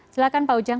silahkan pak ujang